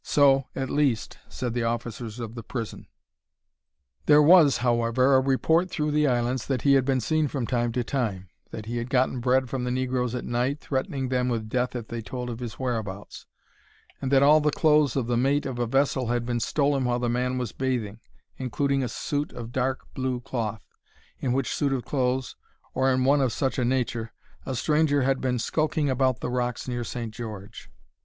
So, at least, said the officers of the prison. There was, however, a report through the islands that he had been seen from time to time; that he had gotten bread from the negroes at night, threatening them with death if they told of his whereabouts; and that all the clothes of the mate of a vessel had been stolen while the man was bathing, including a suit of dark blue cloth, in which suit of clothes, or in one of such a nature, a stranger had been seen skulking about the rocks near St. George.